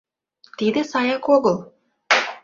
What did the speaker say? Тиде саяк огыл.